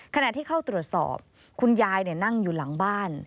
ขณะที่เข้าตรวจสอบคุณยายนั่งอยู่หลังบ้าน